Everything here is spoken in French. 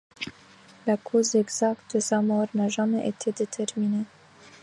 La cause exacte de sa mort n'a jamais été déterminée.